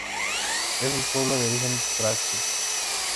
Es un pueblo de origen tracio.